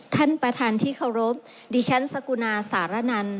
ท่านประธานที่เคารพดิฉันสกุณาสารนัน